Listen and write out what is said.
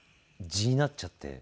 痔になっちゃって。